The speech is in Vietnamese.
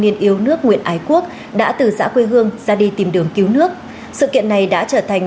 niên yêu nước nguyễn ái quốc đã từ xã quê hương ra đi tìm đường cứu nước sự kiện này đã trở thành